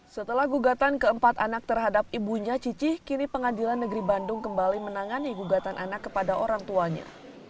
setelah gugatan keempat anak terhadap ibunya cici kini pengadilan negeri bandung kembali menangani gugatan anak kepada orang tuanya